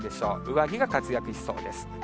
上着が活躍しそうです。